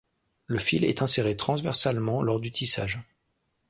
Le fil est inséré transversalement lors du tissage.